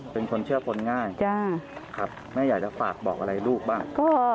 เป็นคนเชื่อคนง่ายครับแม่อยากจะฝากบอกอะไรลูกบ้าง